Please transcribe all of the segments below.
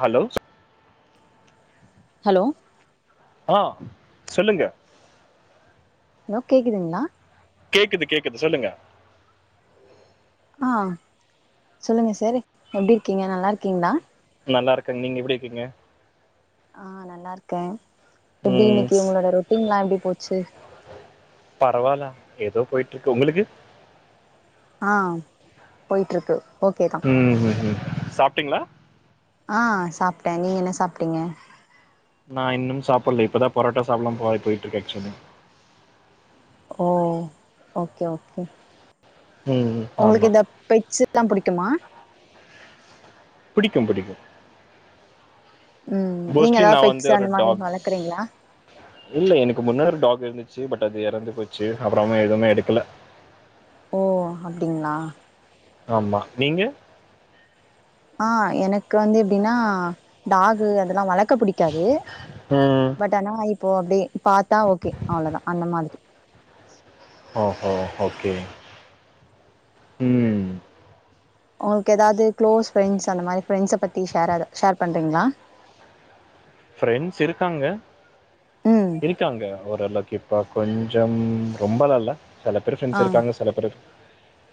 Hello hello hello சொல்லுங்க hello கேக்குதுங்ளா கேக்குது கேக்குது சொல்லுங்க ஆ சொல்லுங்க சார் எப்டி இருக்கீங்க நல்லா இருக்கீங்ளா நல்லா இருக்கேங்க நீங்க எப்டி இருக்கீங்க ஆ நல்லா இருக்கே எப்டி ம் இன்னைக்கு உங்களோட ரொட்டீன்லா எப்டி போச்சு பரவால ஏதோ போயிட்டு இருக்கு ஒங்களுக்கு ஆ போயிட்ருக்கு ஓகே தா உ உ உ சாப்ட்டீங்களா ஆ சாப்ட்டே நீ என்ன சாப்ட்டீங்க நா இன்னு சாப்பில்ல இப்பதா பரோட்டா சாப்பில்லானு போ போயிட்ருக்கே ஆக்சுவலி ஓ ஓகே ஓகே ம் ஆமா உங்களுக்கு இந்த பெட்சு லா பிடிக்குமா ஆ பிடிக்கு உ நீங்க ஏதாது வந்து பெட்சு ஒரு அந்த மாரி டாக்ஸ் வளக்குறீங்களா இல்ல எனக்கு முன்னரு டாக் இருந்துச்சு பட் அது எறந்து போச்சு அப்புறமா எதுவுமே எடுக்கல ஓ அப்டிங்களா ஆமா நீங்க ஆ எனக்கு வந்து எப்டின்னா டாகு அதெல்லா வளக் க்க பிடிக்காது ம் பட் ஆனா இ ஓ அப்டியே பாத்தா ஓகே அவ்ளதா அந்த மாதிரி ஓகே ஓகே உ உங்களுக்கு ஏதாது க்ளோஸ் ப்ரெண்ட்ஸ் அந்த மாரி பிரெண்ட்ஸ பத்தி ஷேராத ஷேர் பண்றீங்களா ஃப்ரெண்ட்ஸ் இருக்காங்க ம் இருக்காங்க ஒரு அலக் இப்போ கொஞ்சம் ரொம்பலா இல்ல சில பேர் ஆ ஃப்ரெண்ட்ஸ் இருக்காங்க சில பேரு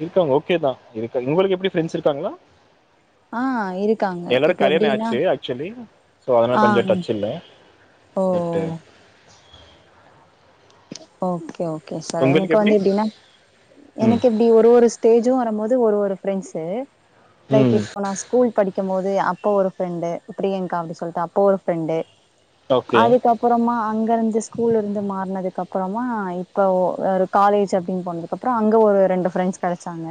இருக்காங்க ஓகேதா இருக்கா உங்களுக்கு எப்டி ஃப்ரெண்ட்ஸ் இருக்காங்களா ஆ இருக்காங்க இப்ப எல்லோர்கு கல்யாணோ எப்டின்னா ஆச்சு ஆக்சுவலி சோ அதனால ஆ கொஞ்சோ டச் சின்ன ஓ தட்டு ஓகே ஓகே [unintelligible] சார் எனக்கு உங்களுக்கு எப்படி வந்து எப்டின்னா ம் எனக்கு எப்டி ஒரு ஒரு ஸ்டேஜு வரும்போது ஒரு ஒரு ப்ரெண்ஸ்சு லைக் ம் இப்போ நா ஸ்கூல் படிக்கும் போது அப்ப ஒரு ஃப்ரெண்டு பிரியங்கா அப்டி சொல்லிட்டு அப்ப ஒரு ஃப்ரெண்டு ஓகே அதுக்கப்பறமா அங்க இருந்து ஸ்கூல் இருந்து மாறனது அப்பறமா இப்ப ஒரு காலேஜ் அப்டின்னு போனதுக்கு அப்புறோ அங்க ஒரு ரெண்டு ஃப்ரெண்ட்ஸ் கெடைச்சாங்க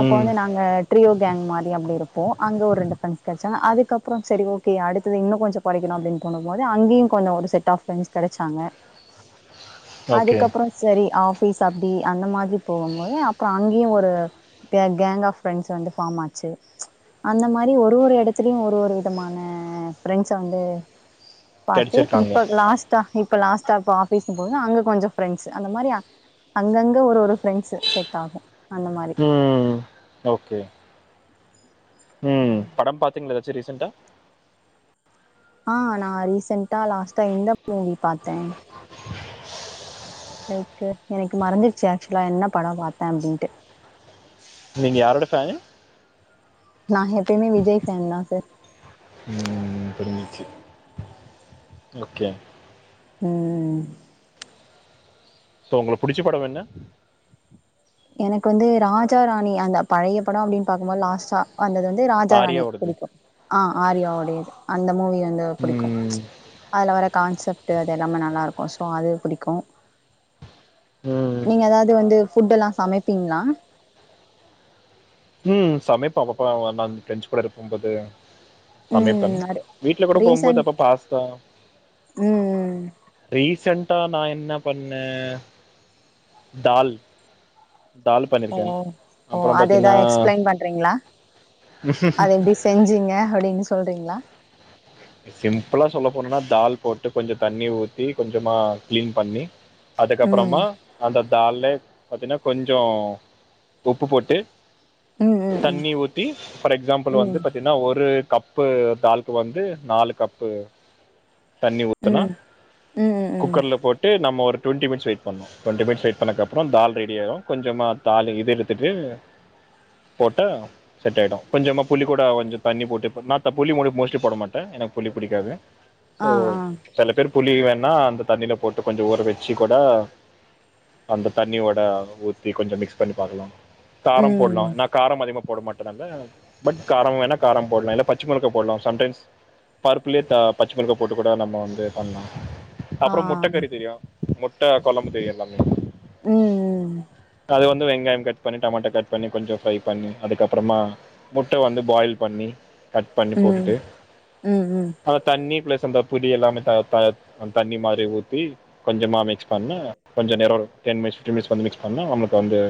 அப்ப ம் வந்து நாங்க ட்ரியோ கேங்க் மாரி அப்டி இருப்போ அங்க ஒரு ரெண்டு ப்ரண்ட்ஸ் கெடைச்சாங்க அதுக்கப்பறெ சரி ஓகே அடுத்தது இன்னு கொஞ்சோ கொறைக்கணு அப்டின்னு போகும்போது அங்கேயு கொஞ்ச ஒரு செட் ஆஃப் ப்ரண்ட்ஸ் கெடைச்சாங்க ஓகே அதுக்கப்புறோ சேரி ஆஃப் பீஸ் அப்டி அந்த மாரி போகும் போது அப்புறோ அங்கியு ஒரு கேங்க் ஆஃப் ஃப்ரெண்ட்ஸ் வந்து பார்ம் ஆச்சு அந்த மாரி ஒரு ஒரு எடத்துலயு ஒரு ஒரு விதமான ஃப்ரெண்ட்ஸ் வந்து பாத்து கிடைச்சிருக்காங்க இப்ப லாஸ்டா இப் இப்ப லாஸ்டா பா பேசும் போது அங்க கொஞ்சோ ஃப்ரெண்ட்ஸ் அந்த மாரி அங்கங்க ஒரு ஒரு ஃப்ரெண்ட்ஸ் செட் ஆகு அந்த மாரி ம் ஓகே ம் படம் பாத்தீங்களே எதாச்சு ரீசன்ட்டா ஆ நா ரீசன்டா லாஸ்ட்டா இந்த மூவி பாத்த லைக்கு எனக்கு மறந்துருச்சு ஏக்சுவலா என்ன படம் பாத்த அப்டின்ட்டு நீங்க யாரோட ஃபேனு நா எப்பயுமே விஜய் ஃபேனுதா சார் ம் புரிஞ்சிச்சு ஓகே ம்ம்ம் சோ உங்களுக்கு புடுச்ச படம் என்ன எனக்கு வந்து ராஜா ராணி அந்த பழைய படோ அப்டின் பாக்கும் போது லாஸ்ட்டா வந்தது வந்து ராஜா ராணி ஆரியாவோடது புடிக்கு ஆ ஆர்யா வோட ஆரியாது அந்த மூவியு வந்து புடிக்கு ம் அதுல வரது கான்செப்ட்டு அது எல்லாமே நல்லாருக்கு சோ அது புடிக்கு ம் நீங்க ஏதாவது து வந்து ஃபுட் எல்லா சமைப்பீங்களா ம் சமைப்போ அப்பப்போ நா ஃப்ரெண்ட்ஸ் கூட இருக்கும் போது ம் சமைப்பன் நெறை வீட்ல கூட போகும் போது ரீசன்ட் அப்பப்ப பாஸ்தா ம் ம் ரீசன்ட் ட்டா நா என்ன பண்ண தால் தால் ஓ பண்ணியிருக்கேன். ஓ அப்புறம் அதேதா பார்த்தீங்கன்னா, எக்ஸ்பிளைன் பண்றீங்களா அது எப்டி செஞ்சீங்க அப்டின்னு சொல் சொல்றீங்களா சிம்பிளா சொல்ல போன்னுனா தால் போட்டு கொஞ்சோ தண்ணி ஊத்தி கொஞ்சமா கிளீன் பண்ணி ம் அதுக்கப்புறமா அந்த டால்லே பாத்தீங்கன்னா கொஞ்சோ உப்பு போட்டு ம் ம் ம் தண்ணி ஊத்தி பார் எக்ஸாம்பிள் வந்து ம் பாத்தீங்கன்னா ஒரு கப்பு டாலுக்கு வந்து நாலு கப்பு தண்ணி ஊத்துனா ம் ம் ம் ம் குக்கர்ல போட்டு நம்ம ஒர் ஒரு ரொவண்டி மினிட்ஸ் வெயிட் பண்ணு ரொவண்டி மினிட்ஸ் வெயிட் பண்ணதுக்கு அப்புறோ தால் ரெடி ஆயிரு கொஞ்சமா தால் இது எடுத்துட்டு போட்டா செட் ஆயிடு கொஞ்சமா புளி கூட கொஞ்சோ தண்ணி போட்டு பண்ணா [unintelligible] போட மாட் டா எனக்கு புளி புடிக்காது சோ ஆ ஆ சில பேரு புளி வேணா அந்த தண்ணில போட்டு கொஞ்சோ ஊற வெச்சு கூட அந்த தண்ணியோட ஊத்தி கொஞ்சோ மிக்ஸ் பண்ணி பாக்கலாமா காரம் போடுலா ம் நா காரம் அதிகமா போட மாட்ட நால்ல பட் காரம் வேணா காரம் போடலா இல்ல பச்சி மொளகா போடலா சம்டைம்ஸ் பருப்புலயே த பச்ச மொளகா போட்டு கூட நம்ம வந்து பண்லா ஆ அப்புறோ முட்ட கறி தெரியு முட் முட்ட கொழம்பு தெரியு எல்லாமே ம் ம் து வெங்காயம் கட் பண்ணி டோமேட்டோ கட் பண்ணி கொஞ்சோ ஃப்ரை பண்ணி அதுக்கப்புறமா முட்ட வந்து பாயில் பண்ணி கட் பண்ணி ம் போட்டுட்டு ம் ம் அந்த தண்ணி பிளஸ் அந்த புளி எல்லாமே த த தண்ணி மாரி ஊத்தி கொஞ்சமா மிக்ஸ் பண்ணா கொஞ்சோ நேரோ டென் மினிட்ஸ் டூ மினிட்ஸ் வந்து மிக் பண்ண நம்ளுக்கு வந்து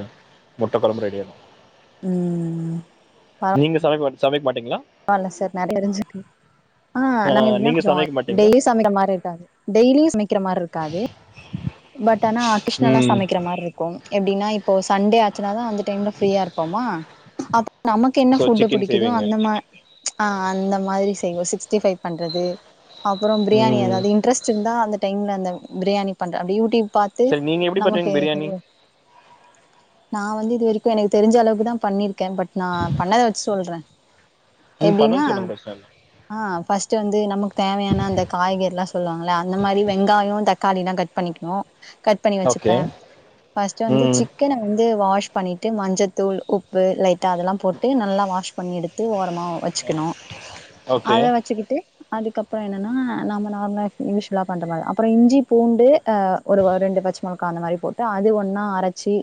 முட்ட கொழம்பு ரெடி ஆயிடு ம் நீங்க சமைக்க மாட் சமைக்க மாட் ஆல சார் நறைய எருஞ்சுருக்கு ஹ் நாங்க எப்டின்னா நீங்கள் கொஞ்சோ சமைக்க மாட்டீங்களா டெய்லியு சமைக்கிற மாரி இருக்காது டெய்லியு சமைக்கிற மாரி இருக்காது பட் ஆனா கிஷ்ணல்லா ம் சமைக்கிற மாரி இருக்குங் எப்டின்னா இப்போ சண்டே ஆச்சுனாதா அந்த டைம்ல ஃப்ரீயா இருப்போமா நமக்கு என்ன ஸோ ஃபுட்டு சிக்கன் புடிக்குதோ செய்வீங்க அந்த மா ஆ அந்த மாரிஸ் செய்வ சிக்ஸ்டி பைவ் பண்றது அப்புறோம் பிரியாணி ம் எதாவது இன்ட்ரெஸ்ட் இருந்தா அந்த டைம்ல அந்த பிரியாணி பண்ற அந்த அப்டி யூடியூப் பாத்து சரி நீங்கள் எப்படி நமக்கு பண்ணுவீங்க பிரியாணி ஒரு நா வந்து இதுவரைக் கு எனக்கு தெருஞ்ச அளவுக்கு தா பண்ணிருக்க பட் நா பண்ணத வெச்சு சொல்ற ம் எப்டின்னா பண்ணது சொல்லுங்கள் பிரச்சனை இல்லை ஆ ஃபஸ்ட்டு வந்து நமக்கு தேவையான அந்த காய்கறி எல்லா சொல்லுவாங்கள அந்த மாரி வெங்காயோ தக் காய்ல்லா கட் பண்ணிக்கணு கட் பண்ணி ஓகே வச்சுப்பே ஃபஸ்டு வந்து ம் சிக்கன வந்து வாஷ் மிக்ஸ் பண்ணிட்டு மஞ்சதூள் உப்பு லைட்டா அதுலா போட்டு நல்லா வாஷ் பண்ணி எடு த்து வா ஓரமா வெச்சுக்கணு ஓகே அத வெச்சுக்கிட்டு அதுக்கப்பறோ என்னன்னா நம்ம நார்மலா யூஸ்வலா பண்ற மாரி அப்பறோ இஞ்சி பூண்டு ஆ ஒரு ரெண்டு பச்ச மிளகா அந்த மாரி போட்டு அது ஒன்னா அரைச்சி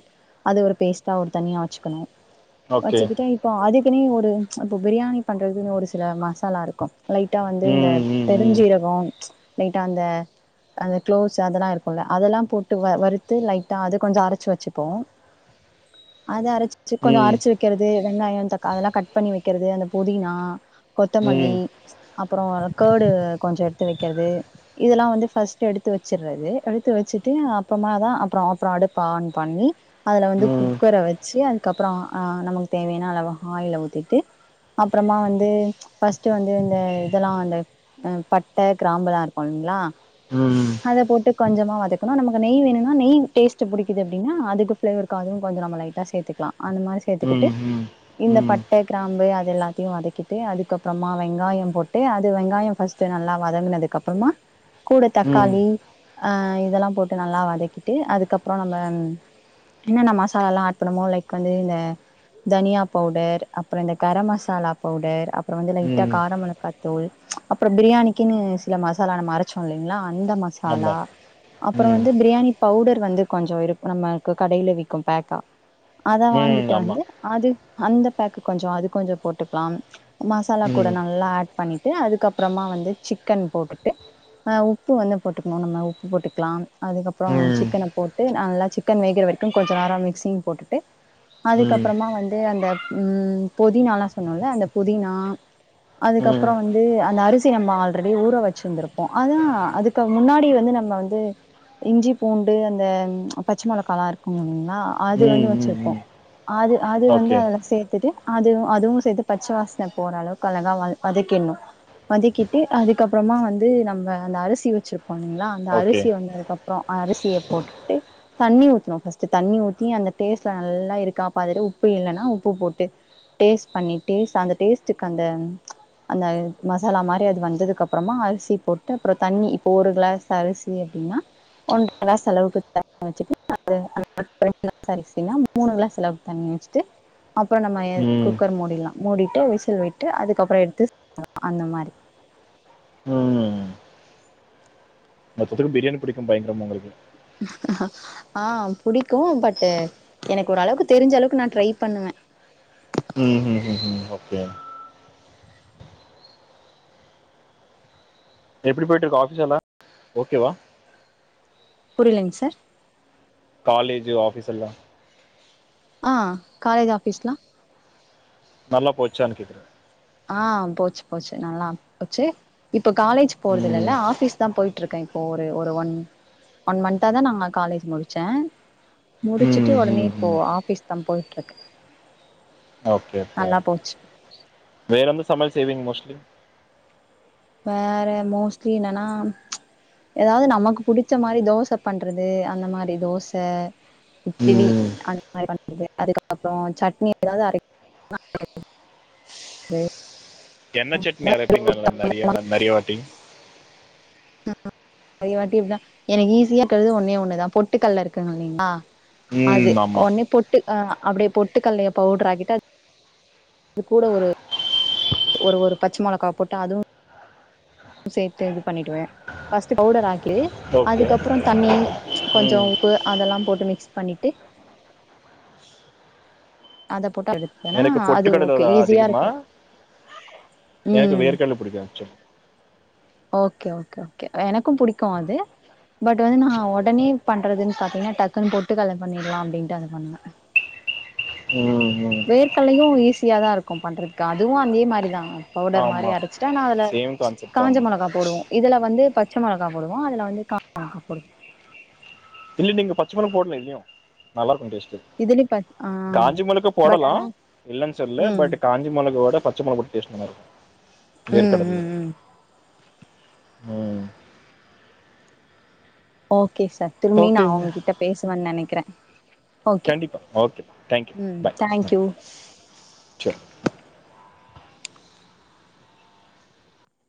அது ஒரு பேஸ்ட்டா ஒரு தனியா வச்சுக்கணு ஓகே வச்சுக்கிட்டே இப்போ ஆதி எத்தினி ஒரு அப்போ பிரியாணி பண்றதுனு ஒரு சில மசாலா இருக்கோ லைட்டா வந்து இந்த ம் ம் ம் பெருஞ்சீரகோ ச் லைட்டா அந்த அந்த க்ளோஸ் அதெல்லா இருக்கோல அதெல்லா போட்டு வறுத்து லைட்டா அது கொஞ்சோ அரச்சு வச்சுப்போ அத அர ச்சு கொஞ்சோ ம் அரச்சு வக்குறது வெங்காயோ தக் அதெல்லா க வக்கிறது அந்த புதினா ம் கொத்தமலி அப் அப்றோ க்கேடு கொஞ்சோ எடுத்து வெக்றது இதெல்லா வந்து ஃபஸ்ட்டு எடுத்து வச்டுறது எடுத்து வச்சுட்டு அப்றோமா தா அப்றோ அப்றோ அடுப்ப ஆன் பண்ணி அதுல வந்து ம் குக்கர வச்சி அதுக்கப்றோ ஆ நமக்கு தேவையான அளவு ஆயில ஊத்தி ட்டு அப்றமா வந்து ஃபஸ்ட்டு வந்து இந்த இதெல்லா அந்த பட்ட கிராம்பலா இருக்கோலைங்கலாய ம் ம் அத போட்டு கொஞ்சமா வதக்கணு நமக்கு நெய் வேணுனா நெய் டேஸ்ட்டு புடிக்குது அப்டினா அதுக்கு ஃபிளேவர்க்காகவு அதுவு கொஞ்சோ நம்ம லைட்டா சேத்துக்கலா அந்த மாரி சேத்துக்கிட்டு ம் இந்த ம் பட் ட கிராம்பு அதெல்லாத்தயு வதக்கிட்டு அதுக்கபப்றோமா வெங்காயோ போட்டு அது வெங்காயோ ஃபஸ்ட்டு நல்லா வதங்குனதுக்கு அப்றோமா கூட ம் தக்காளி ஆ இதெல்லா போட்டு நல்லா வதக்கிட்டு அதுக்கப்றோ நம்ம என்னன்ன மசாலாலா ஆட் பண்ணமோ லைக் வந்து இந்த தனியா பவுடர் அப்றோ இந்த கரம் மசாலா பவுடர் அப்றோ வந்து லைட்டா ம் கார மொளகாத்தூள் அப்றோ வந்து பிரியாணிக்குன்னு சில மசாலா நாம அரச்சோ இல்லைங்ளா இந்த ஆமா மசாலா அப்றோ ம் வந்து பிரியாணி பவுடர் வந்து கொஞ்சோ இரு நம்மக்கு கடையில விக்கு பேக்கா அத ம் வாங்கிட்டு ஆமா வந்து அது அந்த பேக்கு கொஞ்சோ அது கொஞ்சோ போட்டுக்கலா மசாலா கூட ம் நல்லா ஆட் பண்ணிட்டு அதுக்கப்புறமா வந்து சிக்கன் போட்டுட்டு ஆ உப்பு வந்து போட்டுக்கணு நம்ம உப்பு போட்டுக்கலா அதுக்கப்றோ ம் ம் சிக்கன போட்டு நல்லா சிக்கன் வேகுற வரக்கோ கொஞ்ச நேரோ மிக்சிங் போட்டுட்டு அதுக்கப்புறமா வந்து அந்த உ புதினாலா சொன்னோல அந்த புதினா ம் அதுக்கப்றோ ம் வந்து அந்த அரிசி நம்ம ஆல்ரெடி ஊற வச்சிந்திருப்போ அதா அதுக்கு முன்னாடி வந்து நம்ம வந்து இஞ்சி பூண்டு அந்த பச்ச மொளக்கால்லா இருக்கூ ஆ அது வந்து ம் வச்சிருப்போ ம் அது அது வந்து ஓகே அதுல ட்டு அதுவு அதுவு சேத்து பச்ச வாசன போற அளவுக்கு அழகா வதக்கிட்னோ வதக்கிட்டு அதுக்கப்புறமா வந்து நம்ம அந்த அரிசி வச்சிருக் போனீங்களா அந்த ஓகே அரிசி வந்ததுக்கப்றோ அரிசிய போட்டுட்டு தண்ணி ஊத்தனோ ஃபஸ்ட்டு தண்ணி ஊத்தி அந்த டேஸ்ட்லா நல்லா இருக்கா பாத்துட்டு உப்பு இல்லன்னா உப் பு போட்டு டேஸ்ட் பண்ணிட்டு அந்த டேஸ்டுக்கு அந்த அந்த மசாலா மாரி அது வந்ததுக்கு அப்றமா அரிசி போட்டு அப்றோ தண்ணி இப்போ ஒரு கிளாஸ் அரிசி அப்டின்னா ஒன்ற கிளாஸ் அளவுக்கு தண்ணி வச்சிட்டு [inaudible] ரெண்டு கிளாஸ் அரிசின்னா மூணு கிளாஸ் அளவுக்கு தண்ணி வச்சிட்டு அப்றோ நம்ம எ ம் குக்கர் மூடிலா மூடிட்டு விசில் விட்டு அதுக்கப்றோ எடுத்து [unintelligible] அந்த மாரி ம் மொத்தத்துக்கு பிரியாணி புடிக்கோ பயங்கரமா உங்களுக்கு ஆ புடிக்கோ பட் எனக்கு ஓரளவுக்கு தெரிஞ்ச அளவுக்கு நா ட்ரை பண்ணுவே உ உ உ உ ஓகே எப்டி போயிட்டு இருக்கு ஆஃபிஸ் எல்லா ஓகேவா புரியலங்க சார் காலேஜு ஆபீஸ் எல்லா ஆ காலேஜ் ஆபீஸ்லா நல்லா போச்சானு கேக்குறே ஆ போச்சு போச்சு நல்லா போச்சு இ ப்ப காலேஜ் ம் போறதுல்லல ஆபிஸ் தா போயி ட்ருக்க இப்ப ஒரு ஒன் மன்த்தா தா நா காலேஜ் முடிச்ச ம் முடிச்சிட்டு ஒடனே ம் இப்போ ம் ஆபீஸ் நா போயிட்டுருக்கே ஓகே-ஓகே வேற எந்த சமயல் செய்வீங்க மோஸ் ம் வேற மோஸ்ட்லி என்னன்னா ஏதாவது நமக்கு புடிச்ச மாரி தோச பண்றது அந்த மாரி தோச இட்டிலி ம் அந்த மாரி அதுக்கப்றோ சட்னி ஏதாவது அர அரைக்குறது என்ன சட்னி அரைப்பீங்க நெறய நெறய வாட்டி அதய வாட்டி அப்டிதா எனக்கு ஈஸியா இருக்குறது ஒன்னே ஒன்னுதா பொட்டுக்கல்ல இருக்குங்க இல்லைங்ளா அது ம் ஆமாம் உன்னே பொட்டு அ அப்டியே பொட்டு கல்லைய பவுடர் ஆக்கிட்டு அது கூட ஒரு ஒரு ஒரு பச்ச மிளகாய் போட்ட அதுவு சேத்து இ பண்ணிடுவே ஃபஸ்ட்டு பவுடர் ஆக்கி ஓகே அதுக்கப்றோ தண்ணி கொஞ்சோ ம் உப்பு அதெலா போட்டு மிக்ஸ் பண்ணிட்டு அதப் எனக்கு பொட்டுக்கடல விட அதிகமா இருக்கு எனக்கு ம் வேர்கடல பிடிக்கு சிஸ்டர் ஓகே ஓகே ஓகே எனக்கு பிடிக்கு அது பட் வந்து நா ஒடனே பண்றதுன்னு பாத்தீங்னா டக்குன்னு பொட்டுகடல பண்ணிடலா அப்டின்ட்டு அத பண்ணே ம் ம் வேர்கல்லையு ஈஸி ஈஸியாதா இருக்கு பண்றதுக்கு அதுவு அதே மாரி தா பவுடர் மாரி ஆமாம் அரச்சிட்டு நா அதுல சேம் கான்செப்ட் காஞ்ச ஆமாம் மெளக போடுவோ இதுல வந்து பச்ச மெளகா போடுவோ அதுல வந்து காஞ்ச மெளகா போடுவோ நீங்க பச்சமெளகா போடலா இல்லயா நல்லாருக்கு டேஸ்ட்டு இதுலயு பச் ஆ காஞ்ச மொளகா பட் போடலா ஆனா இல்லேனு சொல்லல ம் பட் காஞ்ச மிளகோட பச்ச மொளக டேஸ்ட்டு நல்ல இருக்கு ம் வேர்க்கடலையு ம் ம் ம் ஆஃப் ஒகே சார் திரும்பி நா ஓகேங்க உங்ககிட்ட பேசுவன் நெனைக்கிற கண்டிப்பா ஓகே தேங்க்யூ ம் பாய் ம் தேங்க்யூ செர்